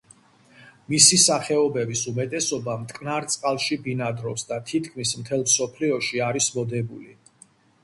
მისი სახეობების უმეტესობა მტკნარ წყალში ბინადრობს და თითქმის მთელ მსოფლიოს არის მოდებული.